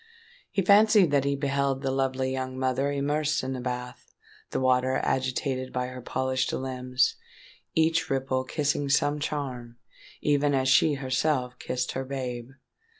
He fancied that he beheld the lovely young mother immersed in the bath—the water agitated by her polished limbs—each ripple kissing some charm, even as she herself kissed her babe!